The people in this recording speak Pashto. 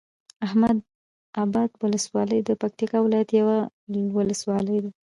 احمداباد ولسوالۍ د پکتيا ولايت یوه ولسوالی ده